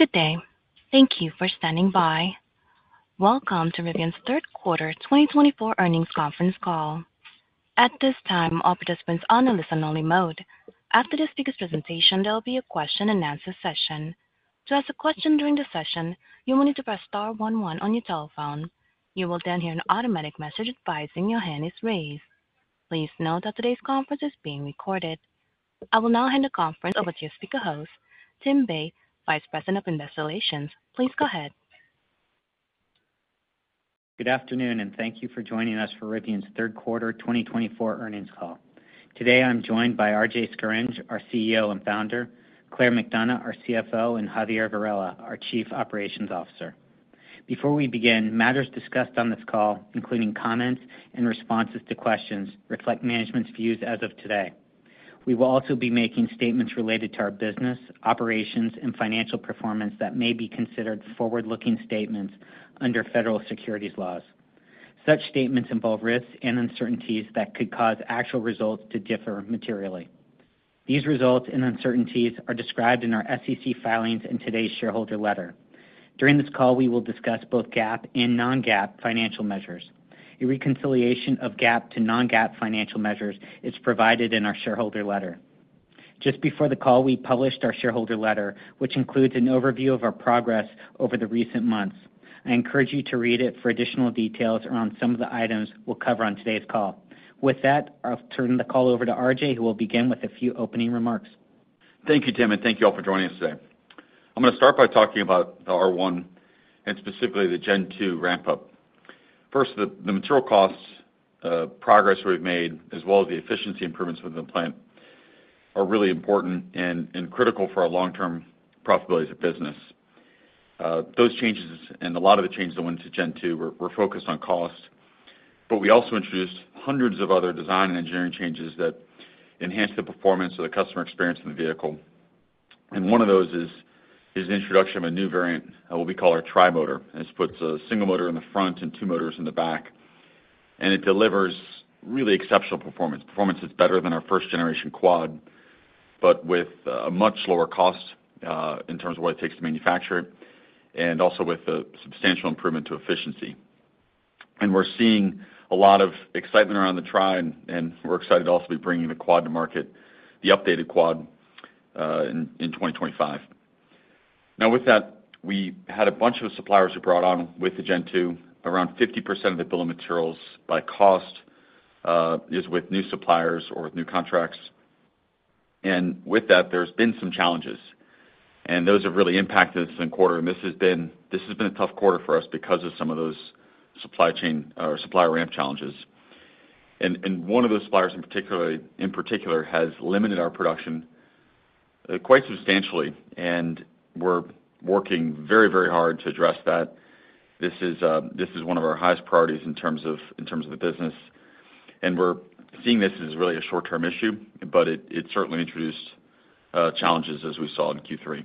Good day. Thank you for standing by. Welcome to Rivian's third quarter 2024 earnings conference call. At this time, all participants are on a listen-only mode. After this speaker's presentation, there will be a question-and-answer session. To ask a question during the session, you will need to press star one one on your telephone. You will then hear an automatic message advising your hand is raised. Please note that today's conference is being recorded. I will now hand the conference over to your speaker host, Tim Bei, Vice President of Investor Relations. Please go ahead. Good afternoon, and thank you for joining us for Rivian's third quarter 2024 earnings call. Today, I'm joined by RJ Scaringe, our CEO and founder, Claire McDonough, our CFO, and Javier Varela, our Chief Operations Officer. Before we begin, matters discussed on this call, including comments and responses to questions, reflect management's views as of today. We will also be making statements related to our business, operations, and financial performance that may be considered forward-looking statements under federal securities laws. Such statements involve risks and uncertainties that could cause actual results to differ materially. These results and uncertainties are described in our SEC filings and today's shareholder letter. During this call, we will discuss both GAAP and non-GAAP financial measures. A reconciliation of GAAP to non-GAAP financial measures is provided in our shareholder letter. Just before the call, we published our shareholder letter, which includes an overview of our progress over the recent months. I encourage you to read it for additional details around some of the items we'll cover on today's call. With that, I'll turn the call over to RJ, who will begin with a few opening remarks. Thank you, Tim, and thank you all for joining us today. I'm going to start by talking about the R1, and specifically the Gen 2 ramp-up. First, the material cost progress we've made, as well as the efficiency improvements within the plant, are really important and critical for our long-term profitability as a business. Those changes, and a lot of the changes that went to Gen 2, were focused on cost, but we also introduced hundreds of other design and engineering changes that enhanced the performance of the customer experience in the vehicle. And one of those is the introduction of a new variant, what we call our Tri-Motor. This puts a single motor in the front and two motors in the back, and it delivers really exceptional performance. Performance is better than our first-generation Quad, but with a much lower cost in terms of what it takes to manufacture it, and also with a substantial improvement to efficiency, and we're seeing a lot of excitement around the Tri, and we're excited to also be bringing the Quad to market, the updated Quad, in 2025. Now, with that, we had a bunch of suppliers who brought on with the Gen 2 around 50% of the bill of materials by cost is with new suppliers or with new contracts, and with that, there's been some challenges, and those have really impacted us in the quarter, and this has been a tough quarter for us because of some of those supply chain or supplier ramp challenges, and one of those suppliers, in particular, has limited our production quite substantially, and we're working very, very hard to address that. This is one of our highest priorities in terms of the business. We're seeing this as really a short-term issue, but it certainly introduced challenges, as we saw in Q3.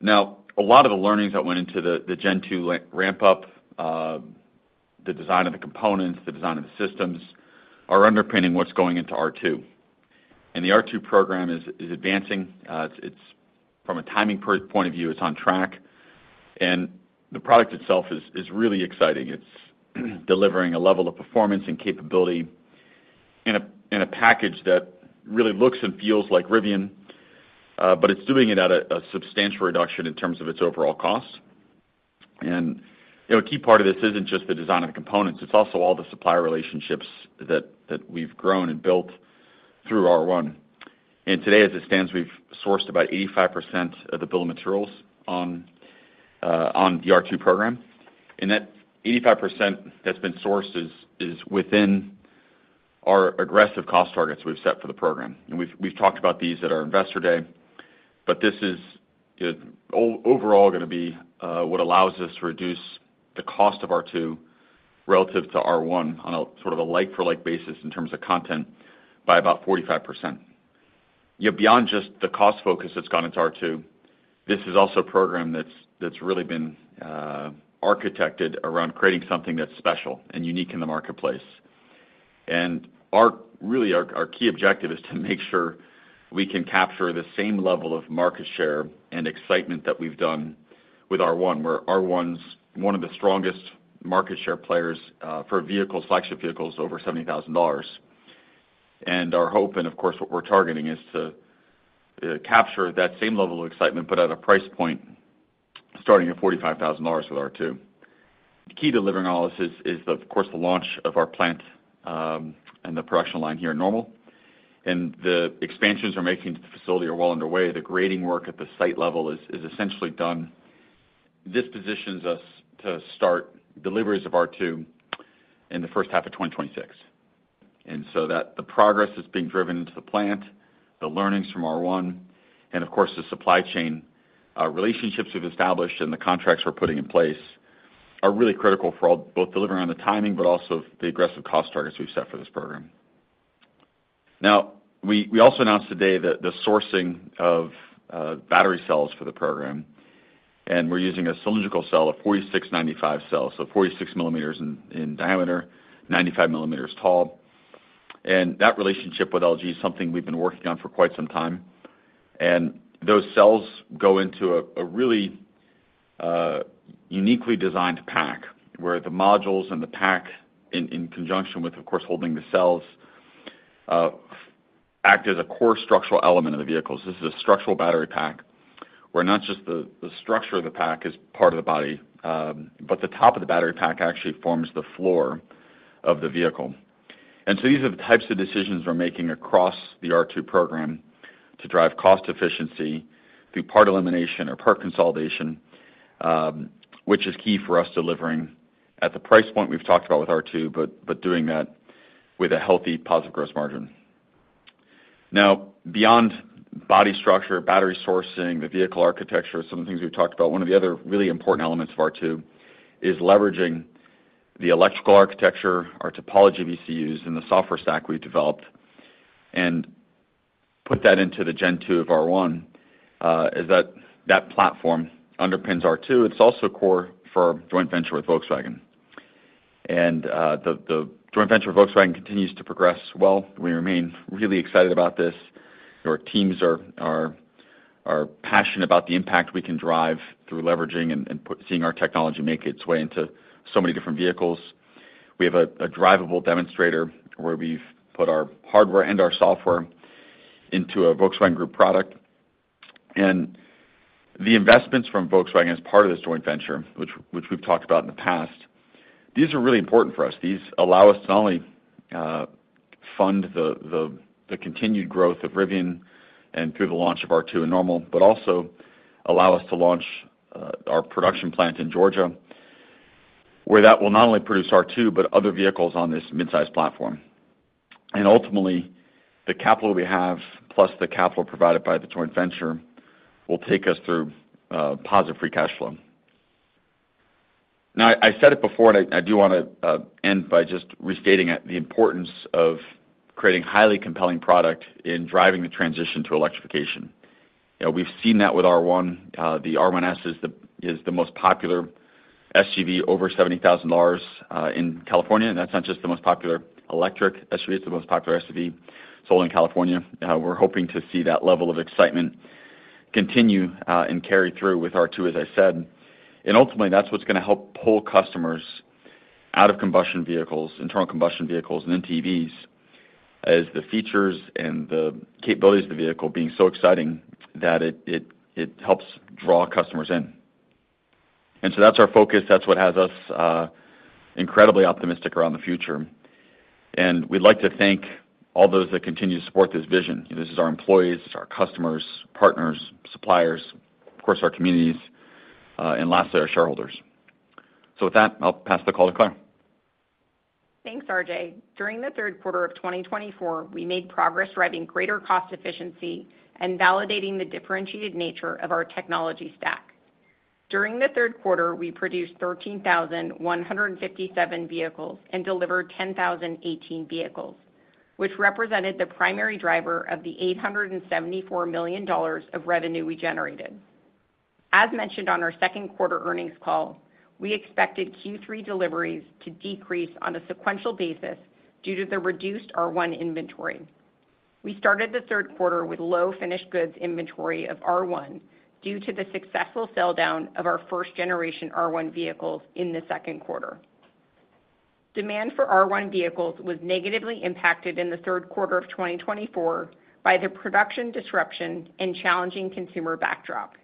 Now, a lot of the learnings that went into the Gen 2 ramp-up, the design of the components, the design of the systems, are underpinning what's going into R2. The R2 program is advancing. From a timing point of view, it's on track, and the product itself is really exciting. It's delivering a level of performance and capability in a package that really looks and feels like Rivian, but it's doing it at a substantial reduction in terms of its overall cost. A key part of this isn't just the design of the components. It's also all the supplier relationships that we've grown and built through R1. And today, as it stands, we've sourced about 85% of the bill of materials on the R2 program. And that 85% that's been sourced is within our aggressive cost targets we've set for the program. And we've talked about these at our investor day, but this is overall going to be what allows us to reduce the cost of R2 relative to R1 on a sort of a like-for-like basis in terms of content by about 45%. Beyond just the cost focus that's gone into R2, this is also a program that's really been architected around creating something that's special and unique in the marketplace. And really, our key objective is to make sure we can capture the same level of market share and excitement that we've done with R1, where R1's one of the strongest market share players for vehicles, flagship vehicles over $70,000. Our hope, and of course, what we're targeting, is to capture that same level of excitement, but at a price point starting at $45,000 with R2. The key delivering on all this is, of course, the launch of our plant and the production line here in Normal. The expansions we're making to the facility are well underway. The grading work at the site level is essentially done. This positions us to start deliveries of R2 in the first half of 2026. The progress that's being driven into the plant, the learnings from R1, and of course, the supply chain relationships we've established and the contracts we're putting in place are really critical for both delivering on the timing, but also the aggressive cost targets we've set for this program. Now, we also announced today the sourcing of battery cells for the program, and we're using a cylindrical cell, a 4695 cell, so 46 millimeters in diameter, 95 millimeters tall, and that relationship with LG is something we've been working on for quite some time, and those cells go into a really uniquely designed pack, where the modules and the pack, in conjunction with, of course, holding the cells, act as a core structural element of the vehicles. This is a structural battery pack, where not just the structure of the pack is part of the body, but the top of the battery pack actually forms the floor of the vehicle. So these are the types of decisions we're making across the R2 program to drive cost efficiency through part elimination or part consolidation, which is key for us delivering at the price point we've talked about with R2, but doing that with a healthy, positive gross margin. Now, beyond body structure, battery sourcing, the vehicle architecture, some of the things we've talked about, one of the other really important elements of R2 is leveraging the electrical architecture, our topology, VCUs, and the software stack we've developed and put that into the Gen 2 of R1. That platform underpins R2. It's also core for joint venture with Volkswagen. The joint venture with Volkswagen continues to progress well. We remain really excited about this. Our teams are passionate about the impact we can drive through leveraging and seeing our technology make its way into so many different vehicles. We have a drivable demonstrator where we've put our hardware and our software into a Volkswagen Group product, and the investments from Volkswagen as part of this joint venture, which we've talked about in the past, these are really important for us. These allow us to not only fund the continued growth of Rivian and through the launch of R2 in Normal, but also allow us to launch our production plant in Georgia, where that will not only produce R2, but other vehicles on this mid-size platform. Ultimately, the capital we have, plus the capital provided by the joint venture, will take us through positive free cash flow. Now, I said it before, and I do want to end by just restating the importance of creating highly compelling product in driving the transition to electrification. We've seen that with R1. The R1S is the most popular SUV over $70,000 in California, and that's not just the most popular electric SUV. It's the most popular SUV sold in California. We're hoping to see that level of excitement continue and carry through with R2, as I said, and ultimately, that's what's going to help pull customers out of combustion vehicles, internal combustion vehicles, and MPVs, as the features and the capabilities of the vehicle being so exciting that it helps draw customers in, and so that's our focus. That's what has us incredibly optimistic around the future, and we'd like to thank all those that continue to support this vision. This is our employees, our customers, partners, suppliers, of course, our communities, and lastly, our shareholders, so with that, I'll pass the call to Claire. Thanks, RJ. During the third quarter of 2024, we made progress driving greater cost efficiency and validating the differentiated nature of our technology stack. During the third quarter, we produced 13,157 vehicles and delivered 10,018 vehicles, which represented the primary driver of the $874 million of revenue we generated. As mentioned on our second quarter earnings call, we expected Q3 deliveries to decrease on a sequential basis due to the reduced R1 inventory. We started the third quarter with low finished goods inventory of R1 due to the successful sell-down of our first-generation R1 vehicles in the second quarter. Demand for R1 vehicles was negatively impacted in the third quarter of 2024 by the production disruption and challenging consumer backdrop.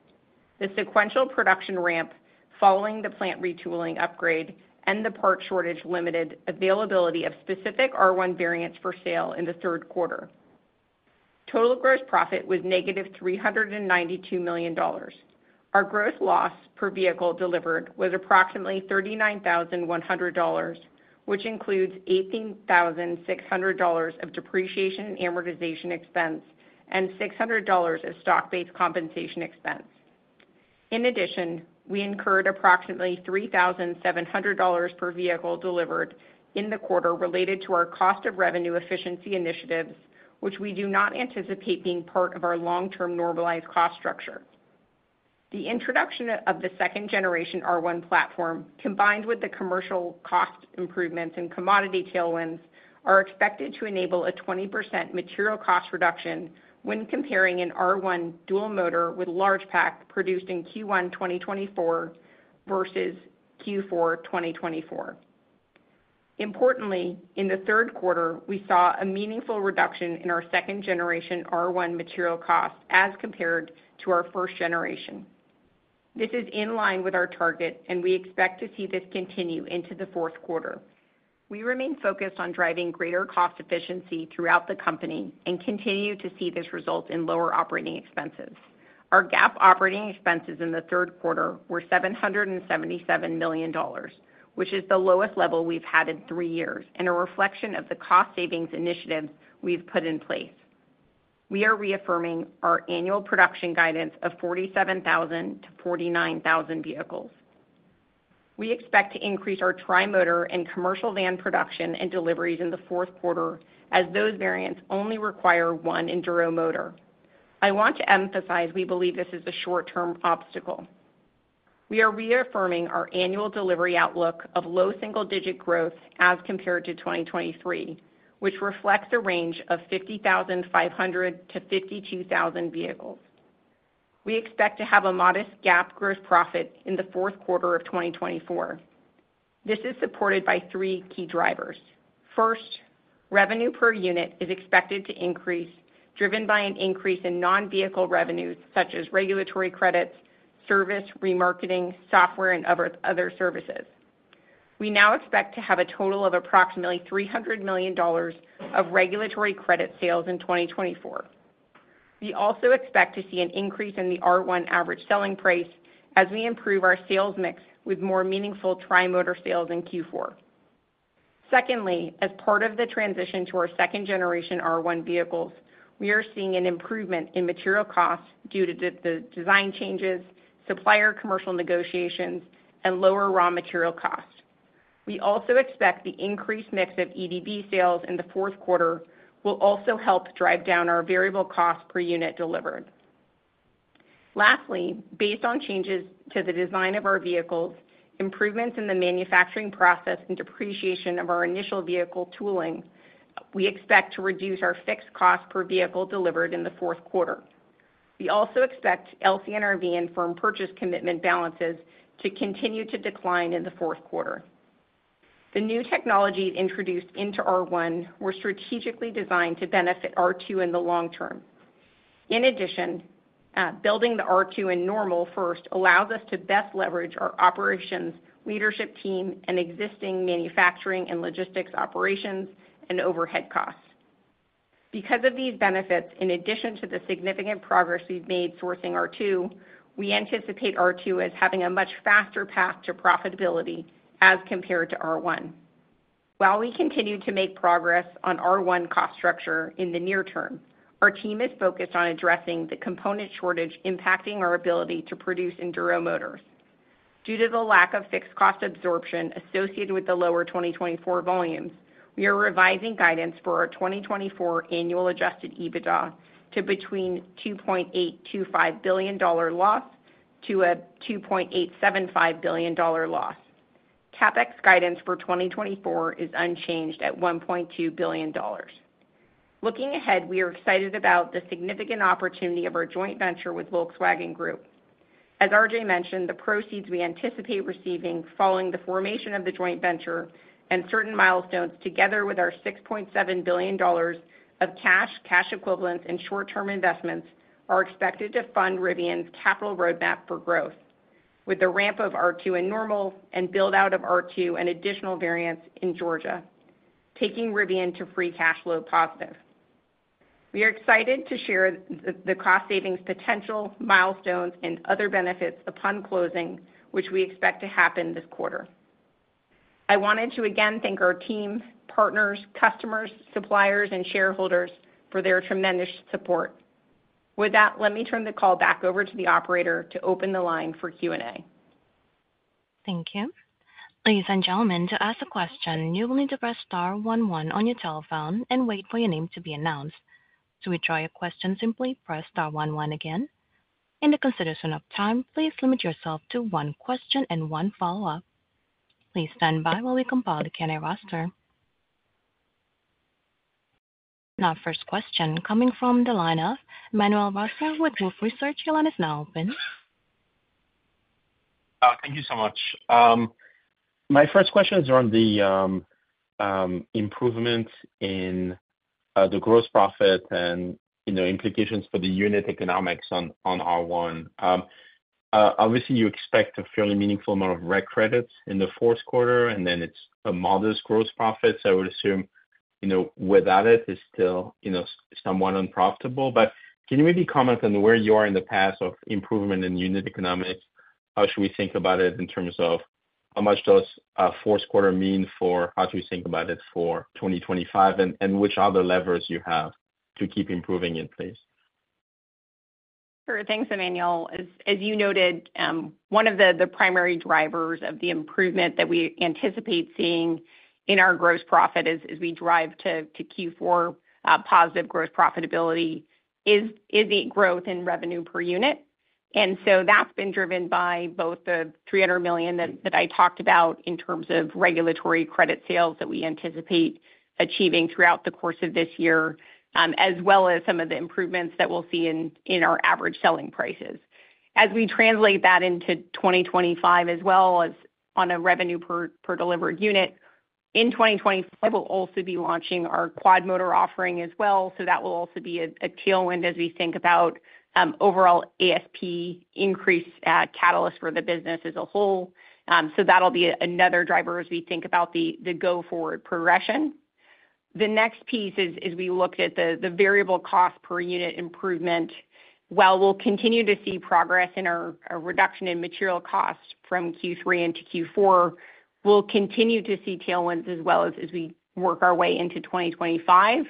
The sequential production ramp following the plant retooling upgrade and the part shortage limited availability of specific R1 variants for sale in the third quarter. Total gross profit was negative $392 million. Our gross loss per vehicle delivered was approximately $39,100, which includes $18,600 of depreciation and amortization expense and $600 of stock-based compensation expense. In addition, we incurred approximately $3,700 per vehicle delivered in the quarter related to our cost of revenue efficiency initiatives, which we do not anticipate being part of our long-term normalized cost structure. The introduction of the second-generation R1 platform, combined with the commercial cost improvements and commodity tailwinds, are expected to enable a 20% material cost reduction when comparing an R1 Dual-Motor with Large pack produced in Q1 2024 versus Q4 2024. Importantly, in the third quarter, we saw a meaningful reduction in our second-generation R1 material cost as compared to our first generation. This is in line with our target, and we expect to see this continue into the fourth quarter. We remain focused on driving greater cost efficiency throughout the company and continue to see this result in lower operating expenses. Our GAAP operating expenses in the third quarter were $777 million, which is the lowest level we've had in three years and a reflection of the cost savings initiatives we've put in place. We are reaffirming our annual production guidance of 47,000-49,000 vehicles. We expect to increase our Tri-Motor and commercial van production and deliveries in the fourth quarter, as those variants only require one Enduro motor. I want to emphasize we believe this is a short-term obstacle. We are reaffirming our annual delivery outlook of low single-digit growth as compared to 2023, which reflects a range of 50,500-52,000 vehicles. We expect to have a modest GAAP gross profit in the fourth quarter of 2024. This is supported by three key drivers. First, revenue per unit is expected to increase, driven by an increase in non-vehicle revenues, such as regulatory credits, service, remarketing, software, and other services. We now expect to have a total of approximately $300 million of regulatory credit sales in 2024. We also expect to see an increase in the R1 average selling price as we improve our sales mix with more meaningful Tri-Motor sales in Q4. Secondly, as part of the transition to our second-generation R1 vehicles, we are seeing an improvement in material costs due to the design changes, supplier commercial negotiations, and lower raw material costs. We also expect the increased mix of EDV sales in the fourth quarter will also help drive down our variable cost per unit delivered. Lastly, based on changes to the design of our vehicles, improvements in the manufacturing process, and depreciation of our initial vehicle tooling, we expect to reduce our fixed cost per vehicle delivered in the fourth quarter. We also expect LCNRV and firm purchase commitment balances to continue to decline in the fourth quarter. The new technologies introduced into R1 were strategically designed to benefit R2 in the long term. In addition, building the R2 and Normal first allows us to best leverage our operations, leadership team, and existing manufacturing and logistics operations and overhead costs. Because of these benefits, in addition to the significant progress we've made sourcing R2, we anticipate R2 as having a much faster path to profitability as compared to R1. While we continue to make progress on R1 cost structure in the near term, our team is focused on addressing the component shortage impacting our ability to produce Enduro motors. Due to the lack of fixed cost absorption associated with the lower 2024 volumes, we are revising guidance for our 2024 annual adjusted EBITDA to between $2.825 billion loss to a $2.875 billion loss. CapEx guidance for 2024 is unchanged at $1.2 billion. Looking ahead, we are excited about the significant opportunity of our joint venture with Volkswagen Group. As RJ mentioned, the proceeds we anticipate receiving following the formation of the joint venture and certain milestones together with our $6.7 billion of cash, cash equivalents, and short-term investments are expected to fund Rivian's capital roadmap for growth, with the ramp of R2 and Normal and build-out of R2 and additional variants in Georgia, taking Rivian to free cash flow positive. We are excited to share the cost savings potential, milestones, and other benefits upon closing, which we expect to happen this quarter. I wanted to again thank our team, partners, customers, suppliers, and shareholders for their tremendous support. With that, let me turn the call back over to the operator to open the line for Q&A. Thank you. Ladies and gentlemen, to ask a question, you will need to press star one one on your telephone and wait for your name to be announced. To withdraw your question, simply press star one one again. In the consideration of time, please limit yourself to one question and one follow-up. Please stand by while we compile the Q&A roster. Now, first question coming from the line of Emmanuel Rosner with Wolfe Research. Your line is now open. Thank you so much. My first question is around the improvement in the gross profit and the implications for the unit economics on R1. Obviously, you expect a fairly meaningful amount of reg credits in the fourth quarter, and then it's a modest gross profit. So I would assume without it, it's still somewhat unprofitable. But can you maybe comment on where you are in the path of improvement in unit economics? How should we think about it in terms of how much does fourth quarter mean for how do we think about it for 2025, and which other levers you have to keep improving in place? Sure. Thanks, Emmanuel. As you noted, one of the primary drivers of the improvement that we anticipate seeing in our gross profit as we drive to Q4 positive gross profitability is the growth in revenue per unit, and so that's been driven by both the $300 million that I talked about in terms of regulatory credit sales that we anticipate achieving throughout the course of this year, as well as some of the improvements that we'll see in our average selling prices. As we translate that into 2025, as well as on a revenue per delivered unit, in 2025, we'll also be launching our Quad-Motor offering as well, so that will also be a tailwind as we think about overall ASP increase catalyst for the business as a whole, so that'll be another driver as we think about the go-forward progression. The next piece is we looked at the variable cost per unit improvement. While we'll continue to see progress in our reduction in material costs from Q3 into Q4, we'll continue to see tailwinds as well as we work our way into 2025.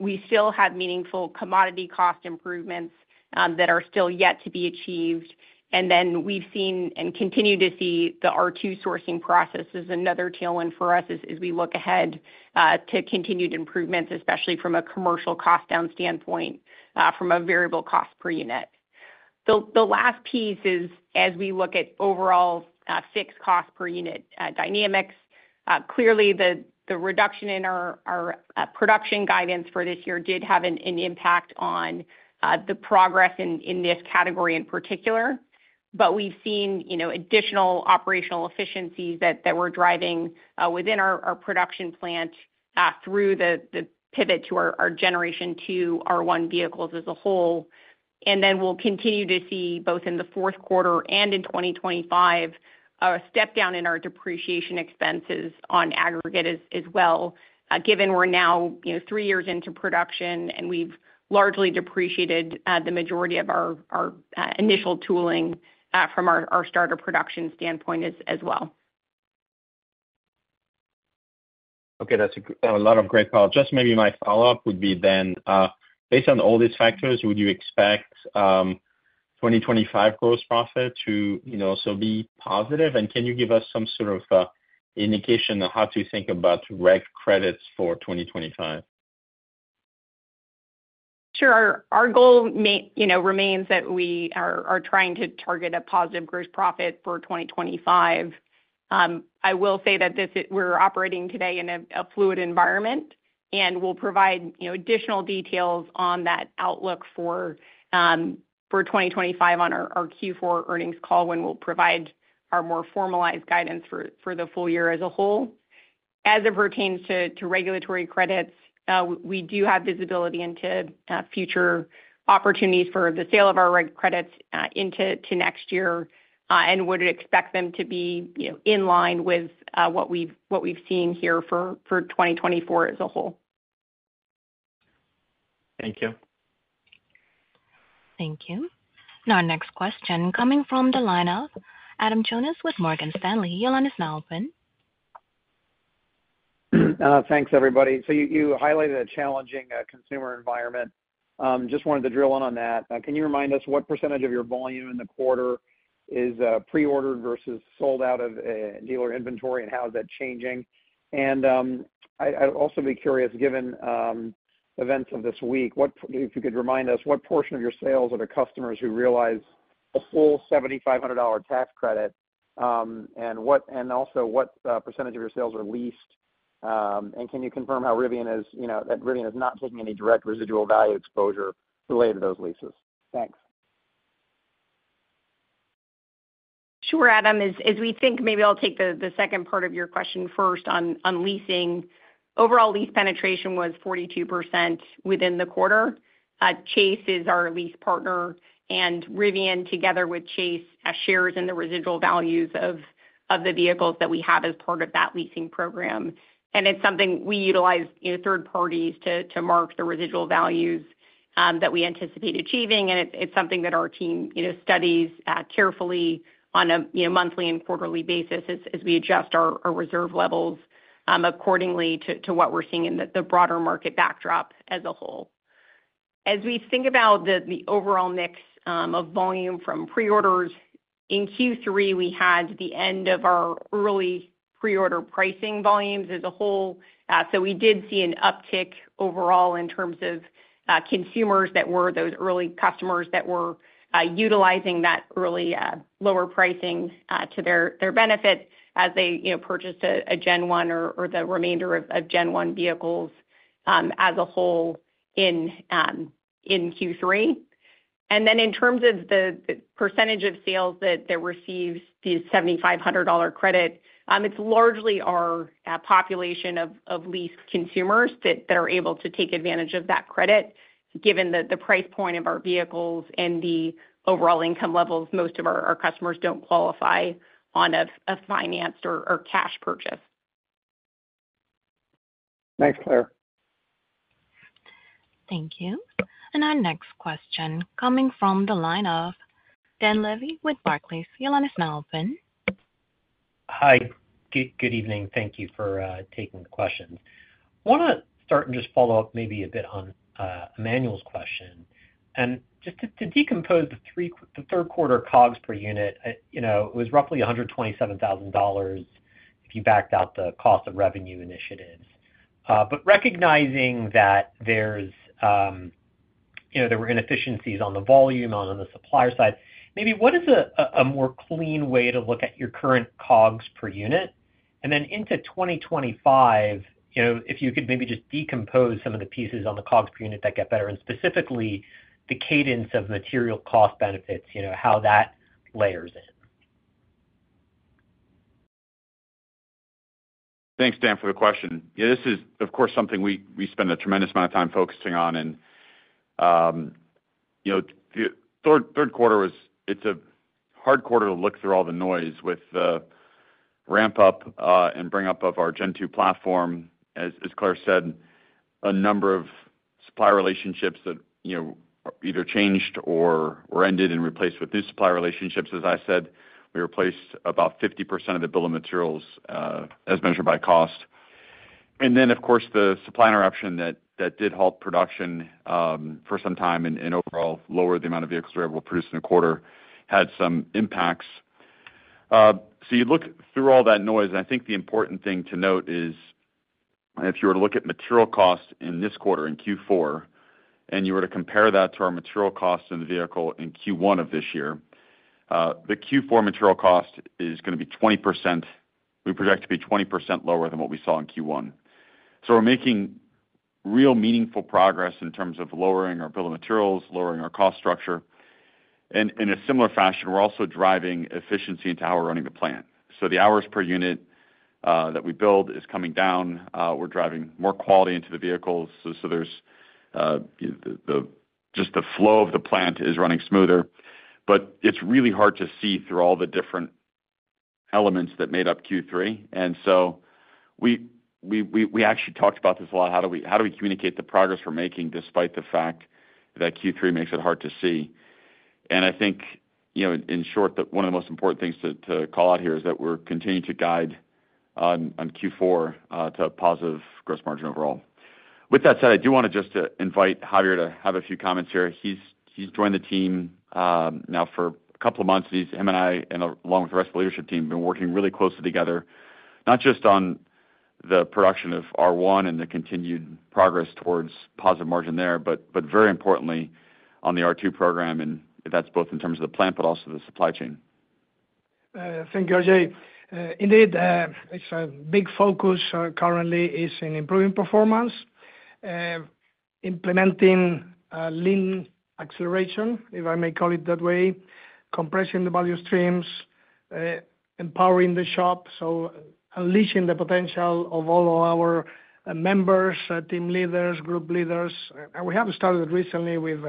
We still have meaningful commodity cost improvements that are still yet to be achieved. And then we've seen and continue to see the R2 sourcing process as another tailwind for us as we look ahead to continued improvements, especially from a commercial cost down standpoint from a variable cost per unit. The last piece is as we look at overall fixed cost per unit dynamics. Clearly, the reduction in our production guidance for this year did have an impact on the progress in this category in particular. But we've seen additional operational efficiencies that we're driving within our production plant through the pivot to our generation two R1 vehicles as a whole. And then we'll continue to see both in the fourth quarter and in 2025 a step down in our depreciation expenses on aggregate as well, given we're now three years into production and we've largely depreciated the majority of our initial tooling from our start of production standpoint as well. Okay. That's a lot of great color. Just maybe my follow-up would be then, based on all these factors, would you expect 2025 gross profit to also be positive? And can you give us some sort of indication on how to think about Reg credits for 2025? Sure. Our goal remains that we are trying to target a positive gross profit for 2025. I will say that we're operating today in a fluid environment, and we'll provide additional details on that outlook for 2025 on our Q4 earnings call when we'll provide our more formalized guidance for the full year as a whole. As it pertains to regulatory credits, we do have visibility into future opportunities for the sale of our reg credits into next year and would expect them to be in line with what we've seen here for 2024 as a whole. Thank you. Thank you. Now, next question coming from the line of Adam Jonas with Morgan Stanley. Your line is now open. Thanks, everybody. So you highlighted a challenging consumer environment. Just wanted to drill in on that. Can you remind us what percentage of your volume in the quarter is pre-ordered versus sold out of dealer inventory, and how is that changing? And I'd also be curious, given events of this week, if you could remind us what portion of your sales are to customers who realize a full $7,500 tax credit? And also, what percentage of your sales are leased? And can you confirm how Rivian is not taking any direct residual value exposure related to those leases? Thanks. Sure, Adam. As we think, maybe I'll take the second part of your question first on leasing. Overall lease penetration was 42% within the quarter. Chase is our lease partner, and Rivian, together with Chase, has shares in the residual values of the vehicles that we have as part of that leasing program. And it's something we utilize third parties to mark the residual values that we anticipate achieving, and it's something that our team studies carefully on a monthly and quarterly basis as we adjust our reserve levels accordingly to what we're seeing in the broader market backdrop as a whole. As we think about the overall mix of volume from pre-orders, in Q3, we had the end of our early pre-order pricing volumes as a whole. We did see an uptick overall in terms of consumers that were those early customers that were utilizing that early lower pricing to their benefit as they purchased a Gen 1 or the remainder of Gen 1 vehicles as a whole in Q3. And then in terms of the percentage of sales that receives the $7,500 credit, it's largely our population of leased consumers that are able to take advantage of that credit, given the price point of our vehicles and the overall income levels. Most of our customers don't qualify on a financed or cash purchase. Thanks, Claire. Thank you. And our next question coming from the line of Dan Levy with Barclays. Your line is now open. Hi. Good evening. Thank you for taking the question. I want to start and just follow up maybe a bit on Emmanuel's question, and just to decompose the third-quarter COGS per unit, it was roughly $127,000 if you backed out the cost of revenue initiatives, but recognizing that there were inefficiencies on the volume on the supplier side, maybe what is a more clean way to look at your current COGS per unit? And then into 2025, if you could maybe just decompose some of the pieces on the COGS per unit that get better, and specifically the cadence of material cost benefits, how that layers in. Thanks, Dan, for the question. Yeah, this is, of course, something we spend a tremendous amount of time focusing on, and third quarter, it's a hard quarter to look through all the noise with the ramp-up and bring-up of our Gen 2 platform. As Claire said, a number of supplier relationships that either changed or ended and replaced with new supplier relationships. As I said, we replaced about 50% of the bill of materials as measured by cost. And then, of course, the supply interruption that did halt production for some time and overall lowered the amount of vehicles we were able to produce in the quarter had some impacts. So you look through all that noise, and I think the important thing to note is if you were to look at material costs in this quarter in Q4, and you were to compare that to our material costs in the vehicle in Q1 of this year, the Q4 material cost is going to be 20%. We project to be 20% lower than what we saw in Q1. So we're making real meaningful progress in terms of lowering our bill of materials, lowering our cost structure. And in a similar fashion, we're also driving efficiency into how we're running the plant. So the hours per unit that we build is coming down. We're driving more quality into the vehicles. So just the flow of the plant is running smoother. But it's really hard to see through all the different elements that made up Q3. And so we actually talked about this a lot. How do we communicate the progress we're making despite the fact that Q3 makes it hard to see? And I think, in short, that one of the most important things to call out here is that we're continuing to guide on Q4 to a positive gross margin overall. With that said, I do want to just invite Javier to have a few comments here. He's joined the team now for a couple of months. Him and I, along with the rest of the leadership team, have been working really closely together, not just on the production of R1 and the continued progress towards positive margin there, but very importantly on the R2 program. And that's both in terms of the plant but also the supply chain. Thank you, Jay. Indeed, a big focus currently is in improving performance, implementing lean acceleration, if I may call it that way, compressing the value streams, empowering the shop, so unleashing the potential of all of our members, team leaders, group leaders. And we have started recently with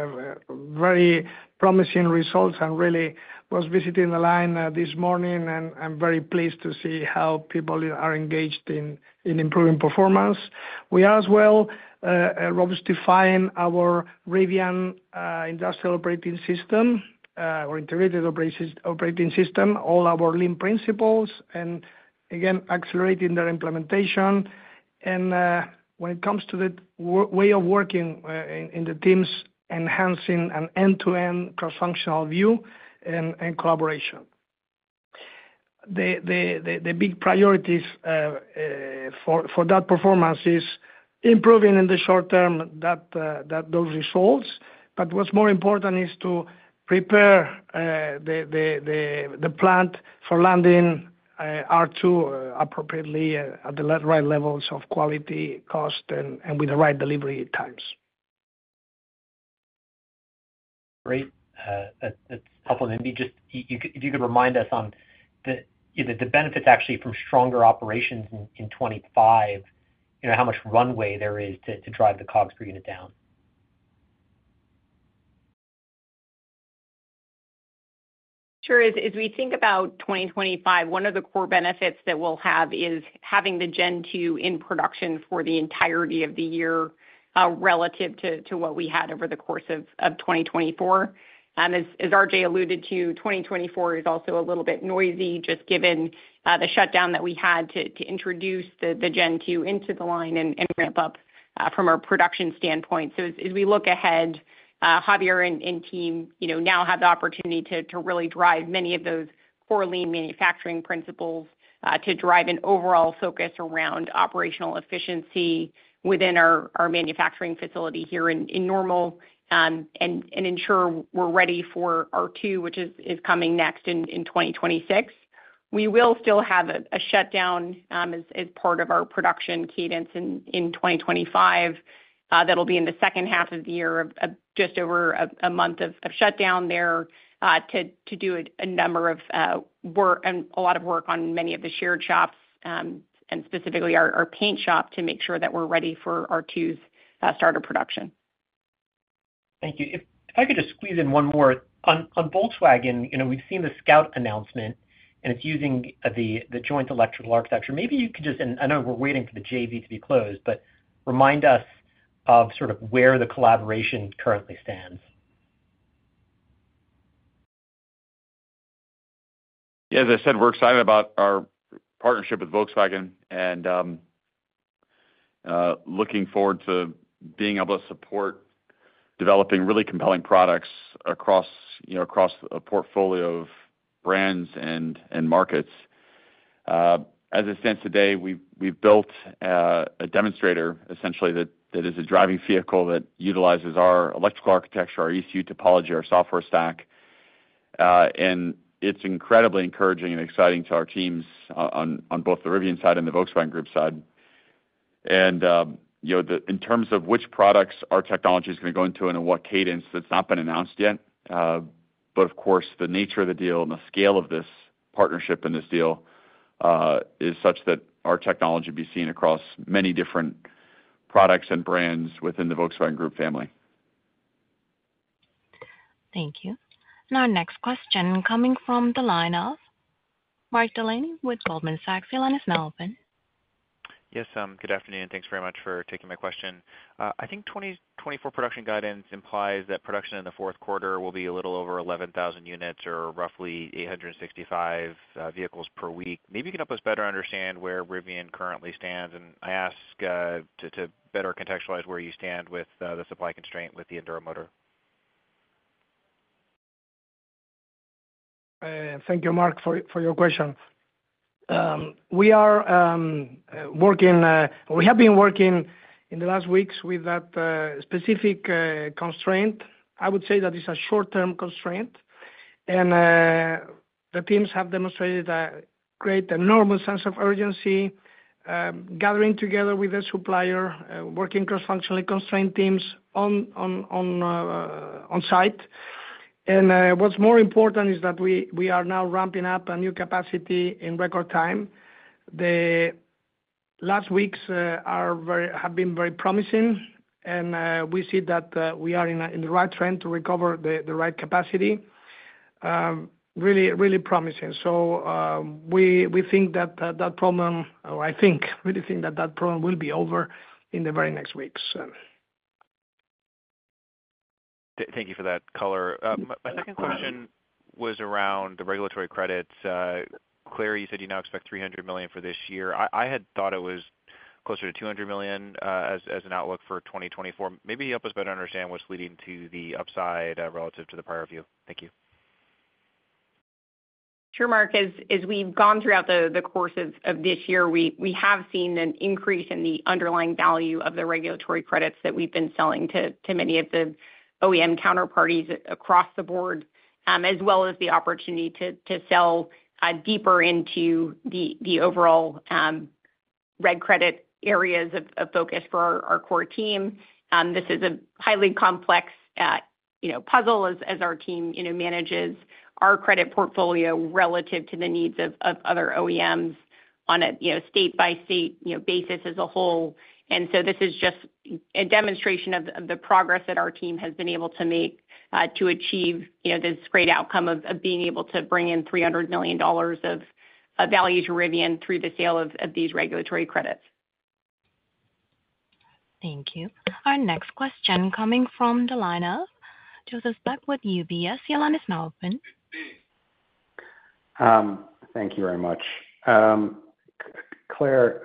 very promising results. And really, I was visiting the line this morning, and I'm very pleased to see how people are engaged in improving performance. We are as well robustifying our Rivian industrial operating system or integrated operating system, all our lean principles, and again, accelerating their implementation. And when it comes to the way of working in the teams, enhancing an end-to-end cross-functional view and collaboration. The big priorities for that performance is improving in the short term those results. What's more important is to prepare the plant for landing R2 appropriately at the right levels of quality, cost, and with the right delivery times. Great. That's helpful. Maybe just if you could remind us on the benefits actually from stronger operations in 2025, how much runway there is to drive the COGS per unit down? Sure. As we think about 2025, one of the core benefits that we'll have is having the Gen 2 in production for the entirety of the year relative to what we had over the course of 2024. As RJ alluded to, 2024 is also a little bit noisy just given the shutdown that we had to introduce the Gen 2 into the line and ramp up from our production standpoint. So as we look ahead, Javier and team now have the opportunity to really drive many of those core lean manufacturing principles to drive an overall focus around operational efficiency within our manufacturing facility here in Normal and ensure we're ready for R2, which is coming next in 2026. We will still have a shutdown as part of our production cadence in 2025 that'll be in the second half of the year, just over a month of shutdown there to do a number of work and a lot of work on many of the shared shops and specifically our paint shop to make sure that we're ready for R2's starter production. Thank you. If I could just squeeze in one more. On Volkswagen, we've seen the Scout announcement, and it's using the joint electrical architecture. Maybe you could just, and I know we're waiting for the JV to be closed, but remind us of sort of where the collaboration currently stands. Yeah. As I said, we're excited about our partnership with Volkswagen and looking forward to being able to support developing really compelling products across a portfolio of brands and markets. As it stands today, we've built a demonstrator essentially that is a driving vehicle that utilizes our electrical architecture, our ECU topology, our software stack. And it's incredibly encouraging and exciting to our teams on both the Rivian side and the Volkswagen Group side. And in terms of which products our technology is going to go into and in what cadence, that's not been announced yet. But of course, the nature of the deal and the scale of this partnership and this deal is such that our technology will be seen across many different products and brands within the Volkswagen Group family. Thank you, and our next question coming from the line of Mark Delaney with Goldman Sachs. Your line is now open. Yes, good afternoon. Thanks very much for taking my question. I think 2024 production guidance implies that production in the fourth quarter will be a little over 11,000 units or roughly 865 vehicles per week. Maybe you can help us better understand where Rivian currently stands, and I ask to better contextualize where you stand with the supply constraint with the Enduro motor. Thank you, Mark, for your questions. We are working, we have been working in the last weeks with that specific constraint. I would say that it's a short-term constraint, and the teams have demonstrated a great and normal sense of urgency, gathering together with the supplier, working cross-functionally constrained teams on site, and what's more important is that we are now ramping up a new capacity in record time. The last weeks have been very promising, and we see that we are in the right trend to recover the right capacity. Really, really promising, so we think that that problem, or I think, we think that that problem will be over in the very next weeks. Thank you for that, Claire. My second question was around the regulatory credits. Claire, you said you now expect $300 million for this year. I had thought it was closer to $200 million as an outlook for 2024. Maybe help us better understand what's leading to the upside relative to the prior view. Thank you. Sure, Mark. As we've gone throughout the course of this year, we have seen an increase in the underlying value of the regulatory credits that we've been selling to many of the OEM counterparties across the board, as well as the opportunity to sell deeper into the overall regulatory credit areas of focus for our core team. This is a highly complex puzzle as our team manages our credit portfolio relative to the needs of other OEMs on a state-by-state basis as a whole. And so this is just a demonstration of the progress that our team has been able to make to achieve this great outcome of being able to bring in $300 million of value to Rivian through the sale of these regulatory credits. Thank you. Our next question coming from the line of Joseph Spak, UBS. Your line is now open. Thank you very much. Claire,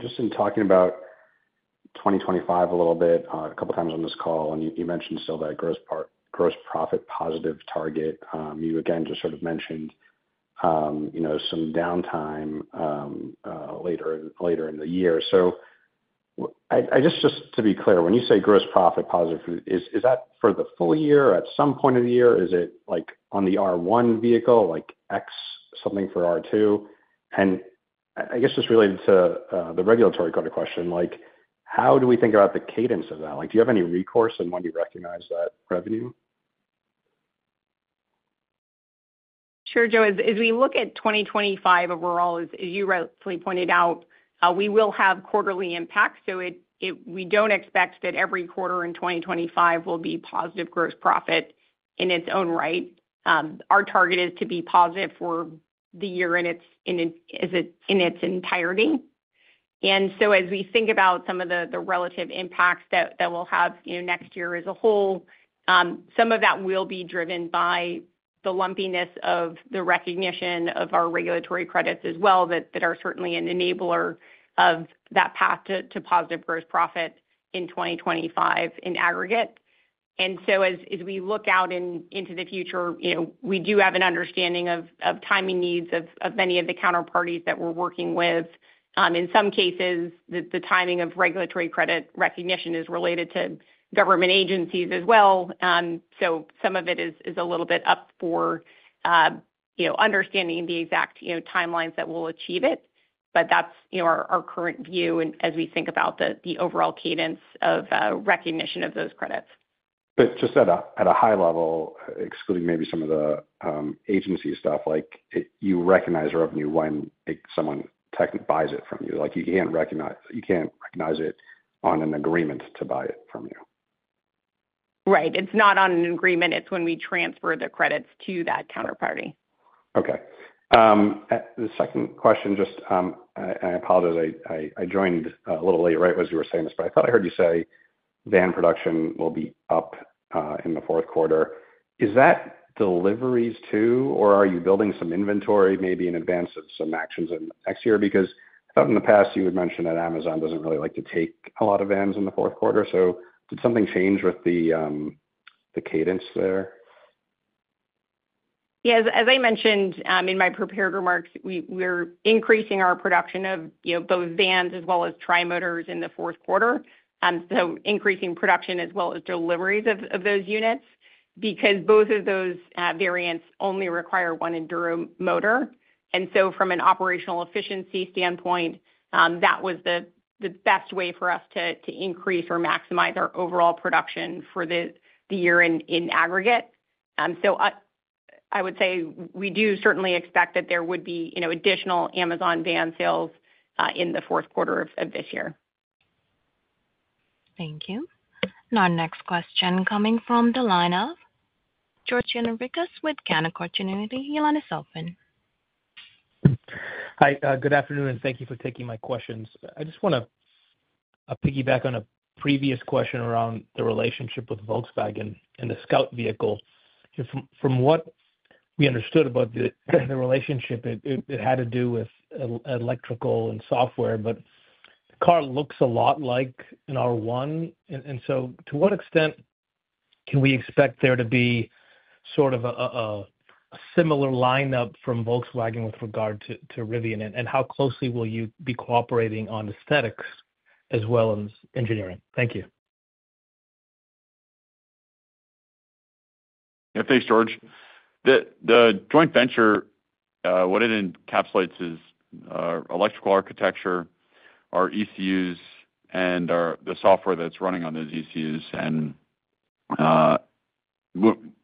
just in talking about 2025 a little bit, a couple of times on this call, and you mentioned still that gross profit positive target. You again just sort of mentioned some downtime later in the year. So just to be clear, when you say gross profit positive, is that for the full year or at some point of the year? Is it on the R1 vehicle, like X something for R2? And I guess just related to the regulatory credit question, how do we think about the cadence of that? Do you have any recourse in when you recognize that revenue? Sure, Joe. As we look at 2025 overall, as you rightly pointed out, we will have quarterly impact. So we don't expect that every quarter in 2025 will be positive gross profit in its own right. Our target is to be positive for the year in its entirety. And so as we think about some of the relative impacts that we'll have next year as a whole, some of that will be driven by the lumpiness of the recognition of our regulatory credits as well that are certainly an enabler of that path to positive gross profit in 2025 in aggregate. And so as we look out into the future, we do have an understanding of timing needs of many of the counterparties that we're working with. In some cases, the timing of regulatory credit recognition is related to government agencies as well. So some of it is a little bit up for understanding the exact timelines that we'll achieve it. But that's our current view as we think about the overall cadence of recognition of those credits. But just at a high level, excluding maybe some of the agency stuff, you recognize revenue when someone buys it from you. You can't recognize it on an agreement to buy it from you. Right. It's not on an agreement. It's when we transfer the credits to that counterparty. Okay. The second question, just, I apologize. I joined a little late, right, as you were saying this, but I thought I heard you say van production will be up in the fourth quarter. Is that deliveries too, or are you building some inventory maybe in advance of some actions in the next year? Because I thought in the past you had mentioned that Amazon doesn't really like to take a lot of vans in the fourth quarter. So did something change with the cadence there? Yeah. As I mentioned in my prepared remarks, we're increasing our production of both vans as well as Tri-Motors in the fourth quarter. So increasing production as well as deliveries of those units because both of those variants only require one Enduro motor. And so from an operational efficiency standpoint, that was the best way for us to increase or maximize our overall production for the year in aggregate. So I would say we do certainly expect that there would be additional Amazon van sales in the fourth quarter of this year. Thank you, and our next question coming from the line of George Gianarikas with Canaccord Genuity. Your line is open. Hi. Good afternoon, and thank you for taking my questions. I just want to piggyback on a previous question around the relationship with Volkswagen and the Scout vehicle. From what we understood about the relationship, it had to do with electrical and software, but the car looks a lot like an R1. And so to what extent can we expect there to be sort of a similar lineup from Volkswagen with regard to Rivian, and how closely will you be cooperating on aesthetics as well as engineering? Thank you. Thanks, George. The joint venture, what it encapsulates is electrical architecture, our ECUs, and the software that's running on those ECUs, and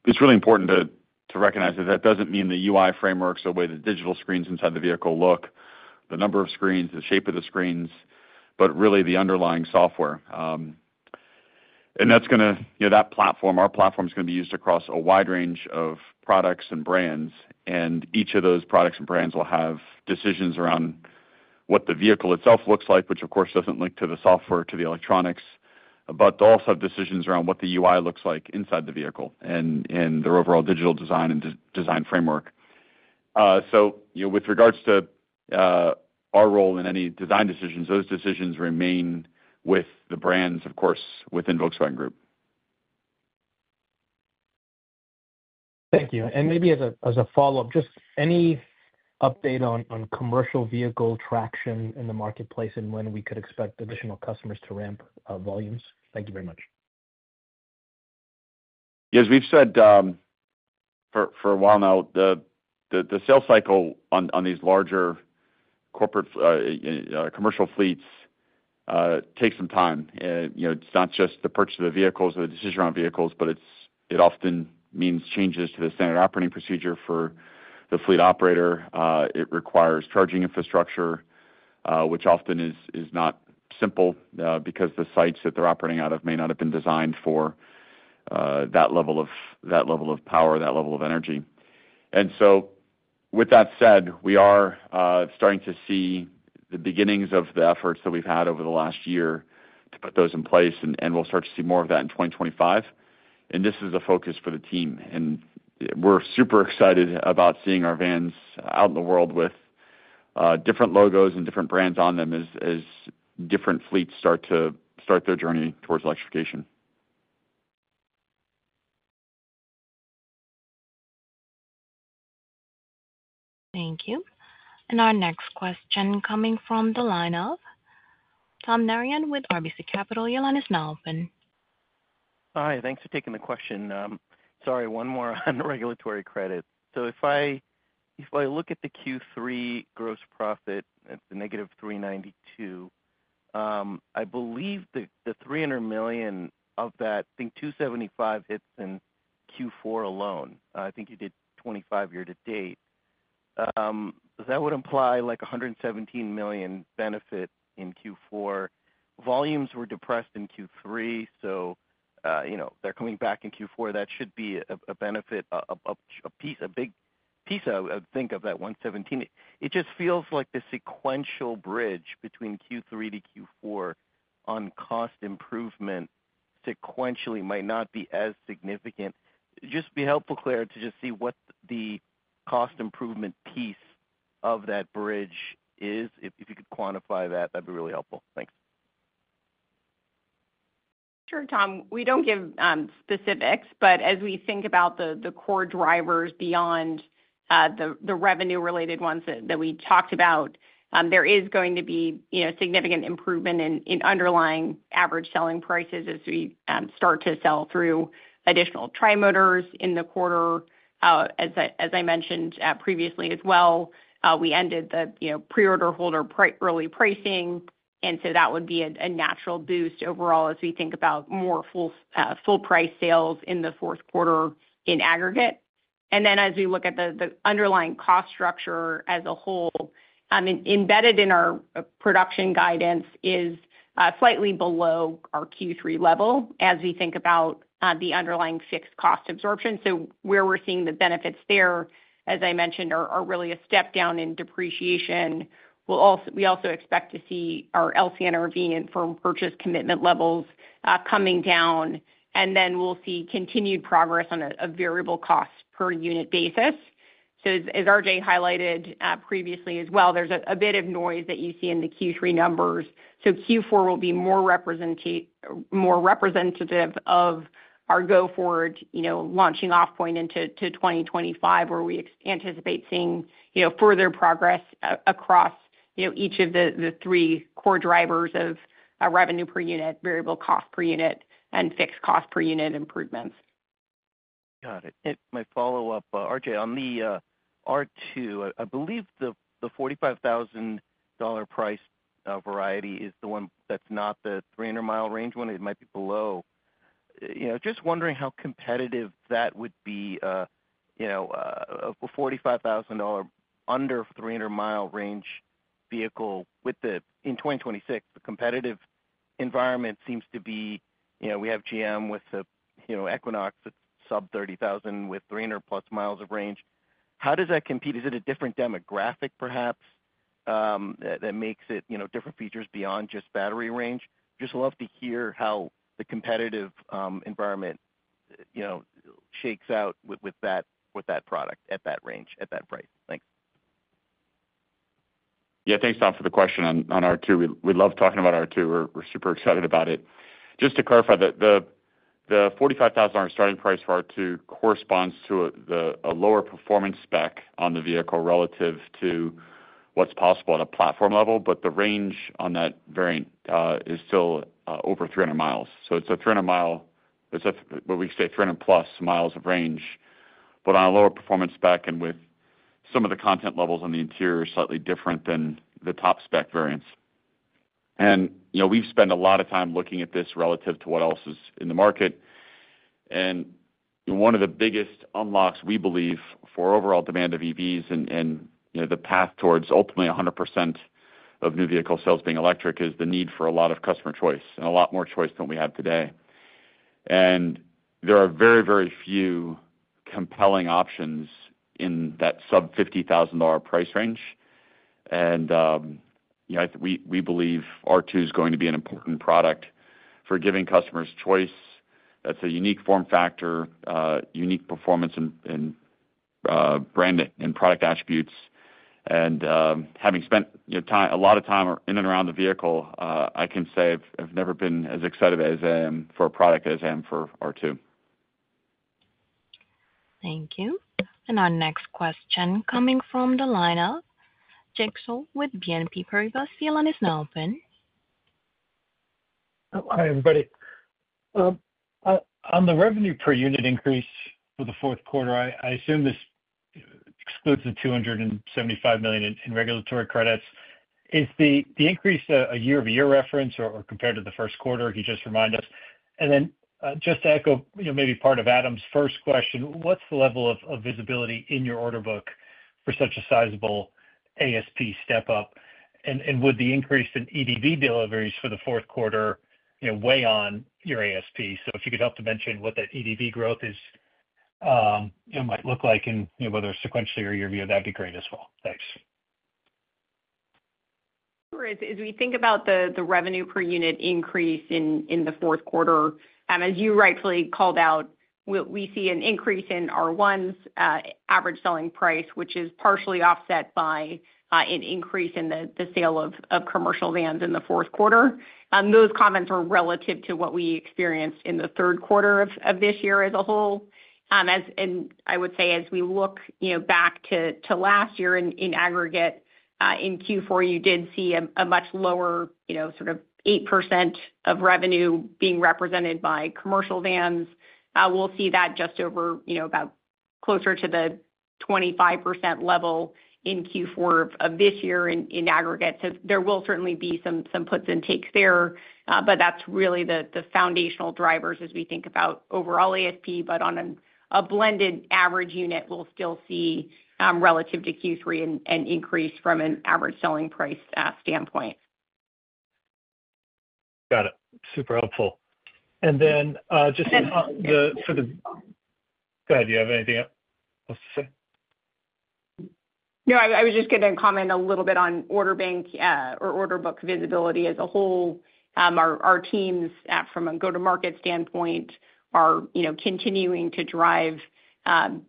it's really important to recognize that that doesn't mean the UI frameworks, the way the digital screens inside the vehicle look, the number of screens, the shape of the screens, but really the underlying software. And that's going to, that platform, our platform, is going to be used across a wide range of products and brands, and each of those products and brands will have decisions around what the vehicle itself looks like, which, of course, doesn't link to the software, to the electronics, but they'll also have decisions around what the UI looks like inside the vehicle and the overall digital design and design framework. With regards to our role in any design decisions, those decisions remain with the brands, of course, within Volkswagen Group. Thank you, and maybe as a follow-up, just any update on commercial vehicle traction in the marketplace and when we could expect additional customers to ramp volumes? Thank you very much. Yeah. As we've said for a while now, the sales cycle on these larger commercial fleets takes some time. It's not just the purchase of the vehicles or the decision around vehicles, but it often means changes to the Standard operating procedure for the fleet operator. It requires charging infrastructure, which often is not simple because the sites that they're operating out of may not have been designed for that level of power, that level of energy. And so with that said, we are starting to see the beginnings of the efforts that we've had over the last year to put those in place, and we'll start to see more of that in 2025, and this is a focus for the team. We're super excited about seeing our vans out in the world with different logos and different brands on them as different fleets start to their journey towards electrification. Thank you. And our next question coming from the line of Tom Narayan with RBC Capital, your line is now open. Hi. Thanks for taking the question. Sorry, one more on regulatory credit. So if I look at the Q3 gross profit at the negative $392 million, I believe that the $300 million of that, I think $275 hits in Q4 alone. I think you did $25 year to date. That would imply like $117 million benefit in Q4. Volumes were depressed in Q3, so they're coming back in Q4. That should be a benefit, a big piece, I think, of that 117. It just feels like the sequential bridge between Q3 to Q4 on cost improvement sequentially might not be as significant. Just be helpful, Claire, to just see what the cost improvement piece of that bridge is. If you could quantify that, that'd be really helpful. Thanks. Sure, Tom. We don't give specifics, but as we think about the core drivers beyond the revenue-related ones that we talked about, there is going to be significant improvement in underlying average selling prices as we start to sell through additional Tri-Motors in the quarter. As I mentioned previously as well, we ended the pre-order holder early pricing, and so that would be a natural boost overall as we think about more full-price sales in the fourth quarter in aggregate. And then as we look at the underlying cost structure as a whole, embedded in our production guidance is slightly below our Q3 level as we think about the underlying fixed cost absorption. So where we're seeing the benefits there, as I mentioned, are really a step down in depreciation. We also expect to see our LCNRV and firm purchase commitment levels coming down, and then we'll see continued progress on a variable cost per unit basis. So as RJ highlighted previously as well, there's a bit of noise that you see in the Q3 numbers. So Q4 will be more representative of our go-forward launching off point into 2025, where we anticipate seeing further progress across each of the three core drivers of revenue per unit, variable cost per unit, and fixed cost per unit improvements. Got it. My follow-up, RJ, on the R2, I believe the $45,000 price variety is the one that's not the 300-mile range one. It might be below. Just wondering how competitive that would be, a $45,000 under 300-mile range vehicle in 2026. The competitive environment seems to be, we have GM with the Equinox that's sub-$30,000 with 300-plus miles of range. How does that compete? Is it a different demographic, perhaps, that makes it different features beyond just battery range? Just love to hear how the competitive environment shakes out with that product at that range, at that price. Thanks. Yeah. Thanks, Tom, for the question on R2. We love talking about R2. We're super excited about it. Just to clarify, the $45,000 starting price for R2 corresponds to a lower performance spec on the vehicle relative to what's possible at a platform level, but the range on that variant is still over 300 miles. So it's a 300-mile, what we say, 300-plus miles of range, but on a lower performance spec and with some of the content levels on the interior slightly different than the top spec variants. And we've spent a lot of time looking at this relative to what else is in the market. And one of the biggest unlocks, we believe, for overall demand of EVs and the path towards ultimately 100% of new vehicle sales being electric is the need for a lot of customer choice and a lot more choice than we have today. There are very, very few compelling options in that sub-$50,000 price range. We believe R2 is going to be an important product for giving customers choice. That's a unique form factor, unique performance in brand and product attributes. Having spent a lot of time in and around the vehicle, I can say I've never been as excited as I am for a product as I am for R2. Thank you, and our next question coming from the line of James Picariello with BNP Paribas. The line is now open. Hi, everybody. On the revenue per unit increase for the fourth quarter, I assume this excludes the $275 million in regulatory credits. Is the increase a year-over-year reference or compared to the first quarter? Could you just remind us? And then just to echo maybe part of Adam's first question, what's the level of visibility in your order book for such a sizable ASP step-up? And would the increase in EDV deliveries for the fourth quarter weigh on your ASP? So if you could help to mention what that EDV growth might look like and whether it's sequentially or year-over-year, that'd be great as well. Thanks. Sure. As we think about the revenue per unit increase in the fourth quarter, as you rightfully called out, we see an increase in R1's average selling price, which is partially offset by an increase in the sale of commercial vans in the fourth quarter. Those comments are relative to what we experienced in the third quarter of this year as a whole, and I would say as we look back to last year in aggregate, in Q4, you did see a much lower sort of 8% of revenue being represented by commercial vans. We'll see that just over about closer to the 25% level in Q4 of this year in aggregate. So there will certainly be some puts and takes there, but that's really the foundational drivers as we think about overall ASP. But on a blended average unit, we'll still see relative to Q3 an increase from an average selling price standpoint. Got it. Super helpful. And then just for the - go ahead. You have anything else to say? No, I was just going to comment a little bit on order bank or order book visibility as a whole. Our teams, from a go-to-market standpoint, are continuing to drive and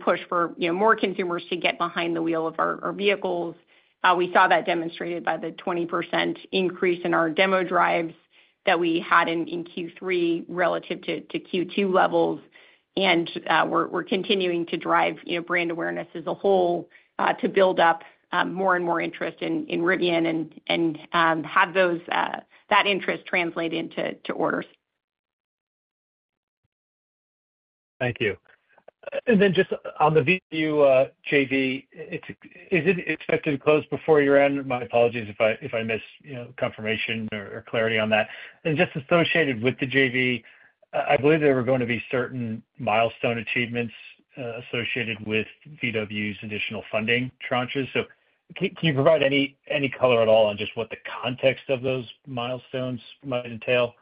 push for more consumers to get behind the wheel of our vehicles. We saw that demonstrated by the 20% increase in our demo drives that we had in Q3 relative to Q2 levels. And we're continuing to drive brand awareness as a whole to build up more and more interest in Rivian and have that interest translate into orders. Thank you. And then just on the VW JV, is it expected to close before year-end? My apologies if I miss confirmation or clarity on that. And just associated with the JV, I believe there were going to be certain milestone achievements associated with VW's additional funding tranches. So can you provide any color at all on just what the context of those milestones might entail?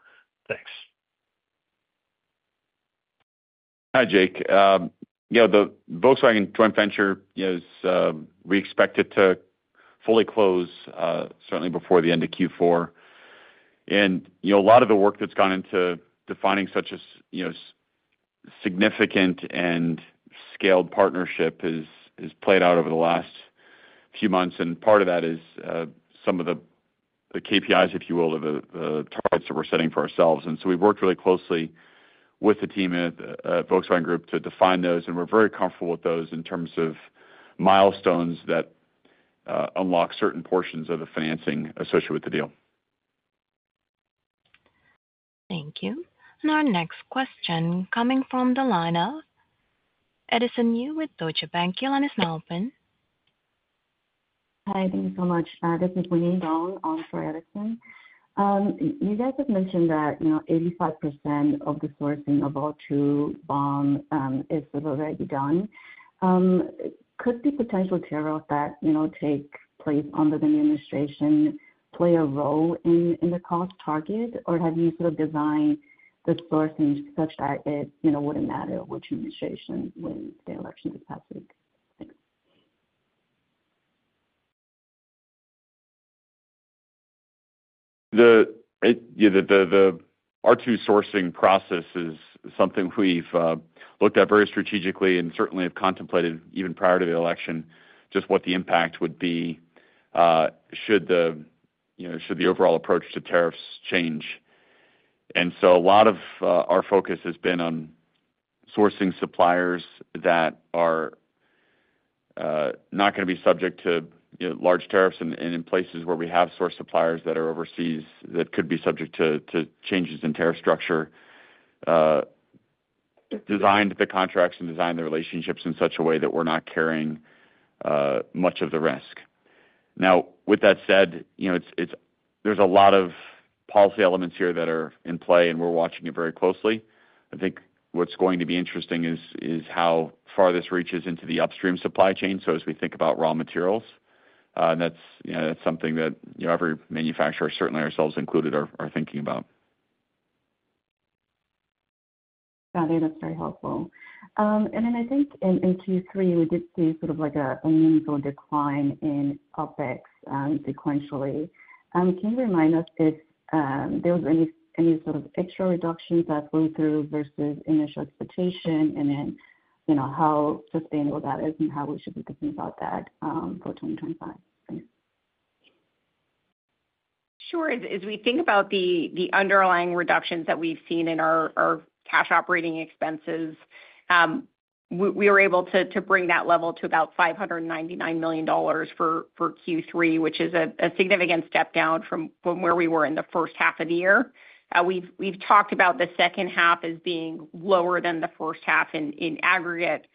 Thanks. Hi, Jake. Yeah, the Volkswagen joint venture is. We expect it to fully close certainly before the end of Q4. And a lot of the work that's gone into defining such a significant and scaled partnership has played out over the last few months. And part of that is some of the KPIs, if you will, of the targets that we're setting for ourselves. And so we've worked really closely with the team at Volkswagen Group to define those. And we're very comfortable with those in terms of milestones that unlock certain portions of the financing associated with the deal. Thank you. And our next question coming from the line of Edison Yu with Deutsche Bank. The line is now open. Hi, thank you so much. This is Winnie Dong on for Edison. You guys have mentioned that 85% of the sourcing of R2 BOM is already done. Could the potential tariffs that take place under the new administration play a role in the cost target, or have you sort of designed the sourcing such that it wouldn't matter which administration wins the election this past week? Thanks. The R2 sourcing process is something we've looked at very strategically and certainly have contemplated even prior to the election, just what the impact would be should the overall approach to tariffs change, and so a lot of our focus has been on sourcing suppliers that are not going to be subject to large tariffs and in places where we have sourced suppliers that are overseas that could be subject to changes in tariff structure, [we've] designed the contracts and designed the relationships in such a way that we're not carrying much of the risk. Now, with that said, there's a lot of policy elements here that are in play, and we're watching it very closely. I think what's going to be interesting is how far this reaches into the upstream supply chain, so as we think about raw materials, that's something that every manufacturer, certainly ourselves included, are thinking about. Got it. That's very helpful. And then I think in Q3, we did see sort of a meaningful decline in OpEx sequentially. Can you remind us if there was any sort of extra reductions that flew through versus initial expectation and then how sustainable that is and how we should be thinking about that for 2025? Thanks. Sure. As we think about the underlying reductions that we've seen in our cash operating expenses, we were able to bring that level to about $599 million for Q3, which is a significant step down from where we were in the first half of the year. We've talked about the second half as being lower than the first half in aggregate,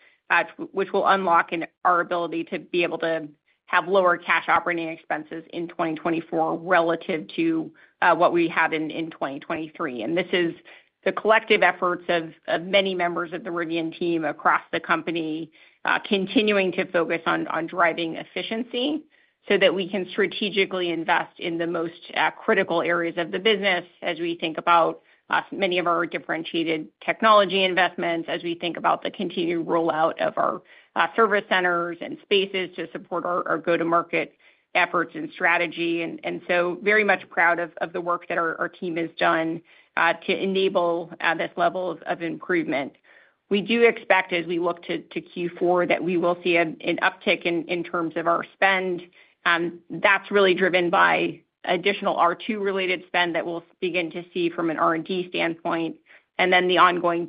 which will unlock our ability to be able to have lower cash operating expenses in 2024 relative to what we had in 2023. And this is the collective efforts of many members of the Rivian team across the company continuing to focus on driving efficiency so that we can strategically invest in the most critical areas of the business as we think about many of our differentiated technology investments, as we think about the continued rollout of our service centers and spaces to support our go-to-market efforts and strategy. And so very much proud of the work that our team has done to enable this level of improvement. We do expect, as we look to Q4, that we will see an uptick in terms of our spend. That's really driven by additional R2-related spend that we'll begin to see from an R&D standpoint, and then the ongoing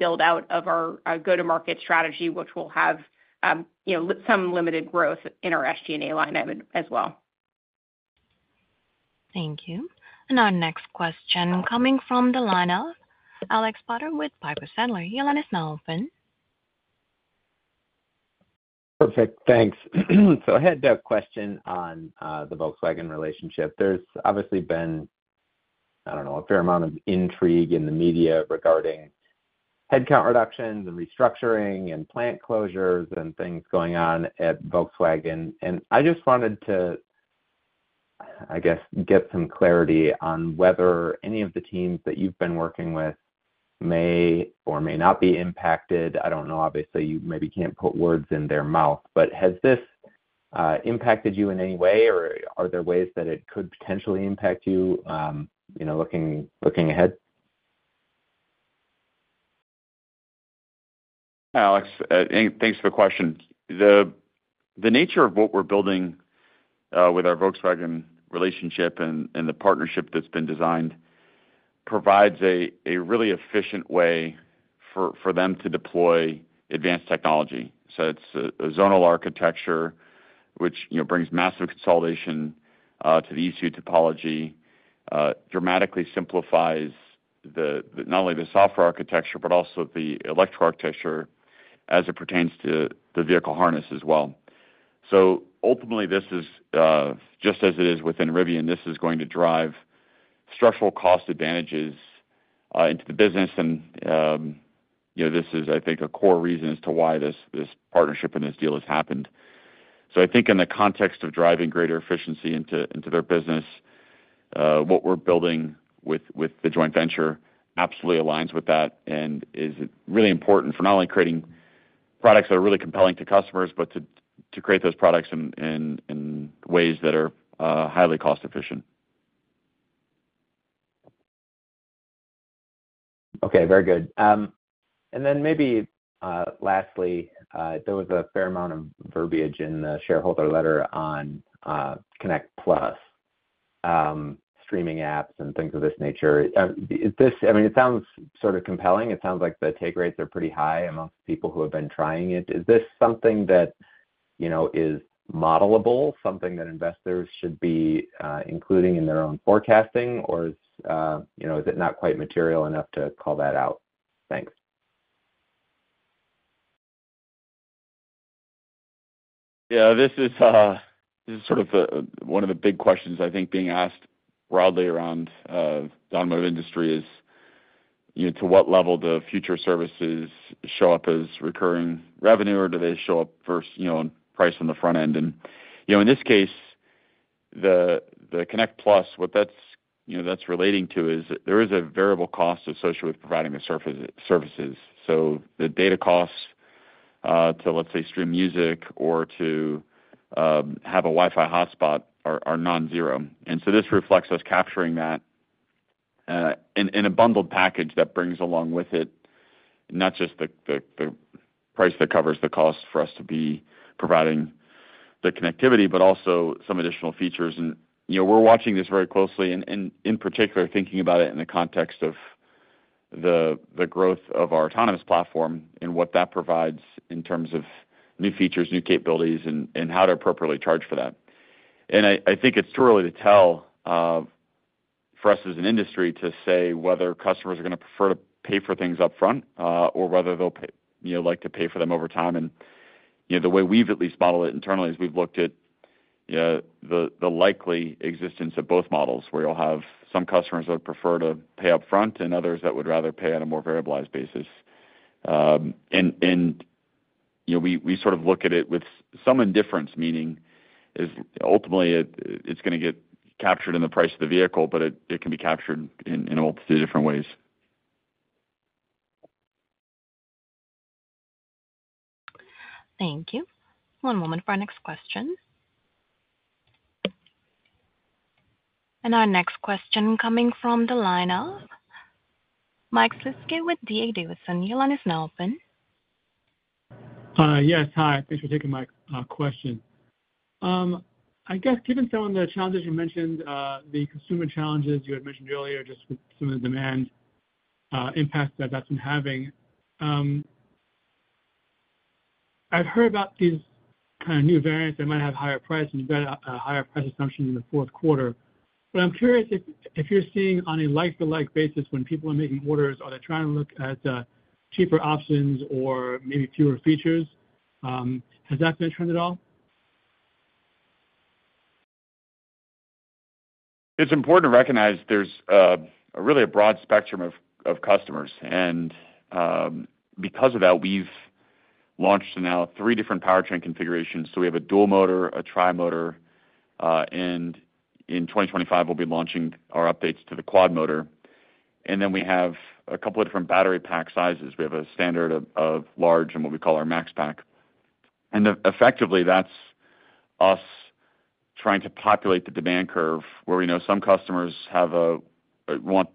build-out of our go-to-market strategy, which will have some limited growth in our SG&A line as well. Thank you. And our next question coming from the line of Alex Potter with Piper Sandler. The line is now open. Perfect. Thanks. So I had a question on the Volkswagen relationship. There's obviously been, I don't know, a fair amount of intrigue in the media regarding headcount reductions and restructuring and plant closures and things going on at Volkswagen. And I just wanted to, I guess, get some clarity on whether any of the teams that you've been working with may or may not be impacted. I don't know. Obviously, you maybe can't put words in their mouth, but has this impacted you in any way, or are there ways that it could potentially impact you looking ahead? Alex, thanks for the question. The nature of what we're building with our Volkswagen relationship and the partnership that's been designed provides a really efficient way for them to deploy advanced technology. So it's a zonal architecture, which brings massive consolidation to the ECU topology, dramatically simplifies not only the software architecture, but also the electrical architecture as it pertains to the vehicle harness as well. So ultimately, this is just as it is within Rivian, this is going to drive structural cost advantages into the business, and this is, I think, a core reason as to why this partnership and this deal has happened. So I think in the context of driving greater efficiency into their business, what we're building with the joint venture absolutely aligns with that and is really important for not only creating products that are really compelling to customers, but to create those products in ways that are highly cost-efficient. Okay. Very good. And then maybe lastly, there was a fair amount of verbiage in the shareholder letter on Connect Plus, streaming apps, and things of this nature. I mean, it sounds sort of compelling. It sounds like the take rates are pretty high amongst people who have been trying it. Is this something that is modelable, something that investors should be including in their own forecasting, or is it not quite material enough to call that out? Thanks. Yeah. This is sort of one of the big questions, I think, being asked broadly around the automotive industry is to what level the future services show up as recurring revenue, or do they show up first in price on the front end? And in this case, the Connect Plus, what that's relating to is there is a variable cost associated with providing the services. So the data costs to, let's say, stream music or to have a Wi-Fi hotspot are non-zero. And so this reflects us capturing that in a bundled package that brings along with it not just the price that covers the cost for us to be providing the connectivity, but also some additional features. And we're watching this very closely and in particular thinking about it in the context of the growth of our autonomous platform and what that provides in terms of new features, new capabilities, and how to appropriately charge for that. And I think it's too early to tell for us as an industry to say whether customers are going to prefer to pay for things upfront or whether they'll like to pay for them over time. And the way we've at least modeled it internally is we've looked at the likely existence of both models where you'll have some customers that would prefer to pay upfront and others that would rather pay on a more variabilized basis. And we sort of look at it with some indifference, meaning ultimately, it's going to get captured in the price of the vehicle, but it can be captured in multiple different ways. Thank you. One moment for our next question, and our next question coming from the line of Mike Shlisky with D.A. Davidson. The line is now open. Yes. Hi. Thanks for taking my question. I guess given some of the challenges you mentioned, the consumer challenges you had mentioned earlier, just with some of the demand impact that that's been having, I've heard about these kind of new variants that might have higher price and better higher price assumptions in the fourth quarter. But I'm curious if you're seeing on a like-for-like basis when people are making orders, are they trying to look at cheaper options or maybe fewer features? Has that been a trend at all? It's important to recognize there's really a broad spectrum of customers. And because of that, we've launched now three different powertrain configurations. So we have a Dual-Motor, a Tri-Motor, and in 2025, we'll be launching our updates to the Quad-Motor. And then we have a couple of different battery pack sizes. We have a standard, large and what we call our Max Pack. And effectively, that's us trying to populate the demand curve where we know some customers want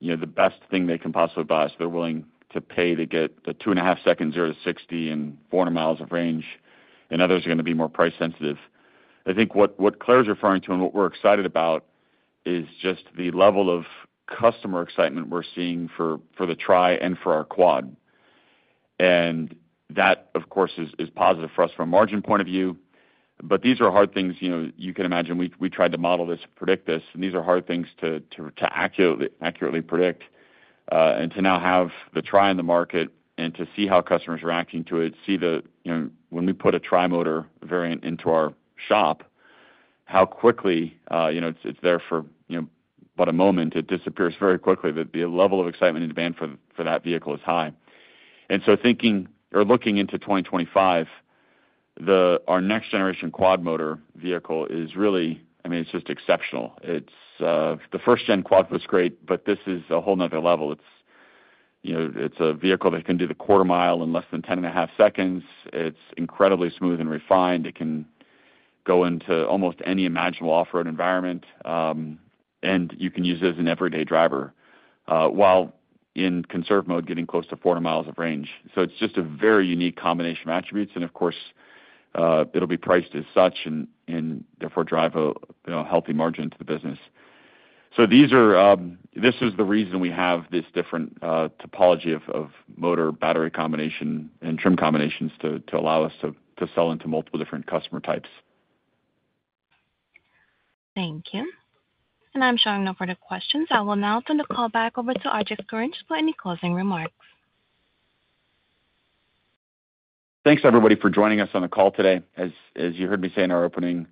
the best thing they can possibly buy. So they're willing to pay to get the two and a half second zero to 60 and 400 miles of range, and others are going to be more price sensitive. I think what Claire is referring to and what we're excited about is just the level of customer excitement we're seeing for the Tri and for our Quad. And that, of course, is positive for us from a margin point of view. But these are hard things. You can imagine we tried to model this, predict this, and these are hard things to accurately predict and to now have the Tri-Motor in the market and to see how customers are reacting to it, see when we put a Tri-Motor variant into our shop, how quickly it's there for about a moment. It disappears very quickly. The level of excitement and demand for that vehicle is high. And so thinking or looking into 2025, our next-generation Quad-Motor vehicle is really, I mean, it's just exceptional. The first-gen Quad-Motor was great, but this is a whole nother level. It's a vehicle that can do the quarter mile in less than 10 and a half seconds. It's incredibly smooth and refined. It can go into almost any imaginable off-road environment, and you can use it as an everyday driver while in Conserve Mode getting close to 400 miles of range, so it's just a very unique combination of attributes, and of course, it'll be priced as such and therefore drive a healthy margin to the business, so this is the reason we have this different topology of motor, battery combination, and trim combinations to allow us to sell into multiple different customer types. Thank you, and I'm showing no further questions. I will now turn the call back over to RJ Scaringe for any closing remarks. Thanks, everybody, for joining us on the call today. As you heard me say in our opening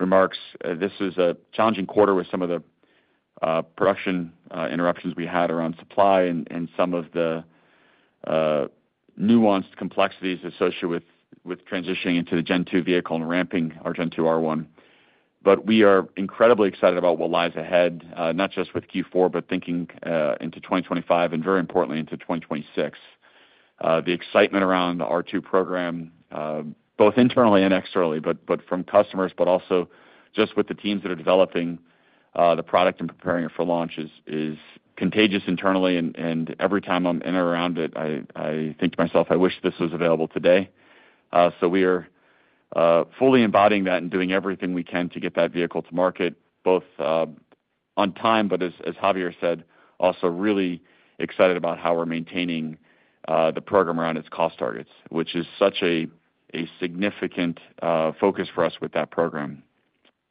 remarks, this was a challenging quarter with some of the production interruptions we had around supply and some of the nuanced complexities associated with transitioning into the Gen 2 vehicle and ramping our Gen 2 R1. But we are incredibly excited about what lies ahead, not just with Q4, but thinking into 2025 and very importantly into 2026. The excitement around the R2 program, both internally and externally, but from customers, but also just with the teams that are developing the product and preparing it for launch is contagious internally. And every time I'm in or around it, I think to myself, "I wish this was available today." So we are fully embodying that and doing everything we can to get that vehicle to market both on time, but as Javier said, also really excited about how we're maintaining the program around its cost targets, which is such a significant focus for us with that program.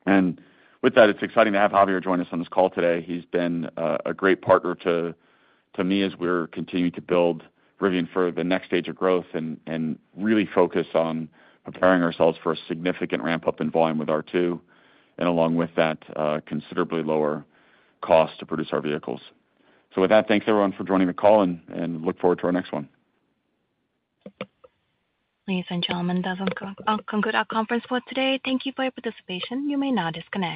And with that, it's exciting to have Javier join us on this call today. He's been a great partner to me as we're continuing to build Rivian for the next stage of growth and really focus on preparing ourselves for a significant ramp-up in volume with R2 and along with that, considerably lower cost to produce our vehicles. So with that, thanks everyone for joining the call and look forward to our next one. Ladies and gentlemen, that concludes our conference for today. Thank you for your participation. You may now disconnect.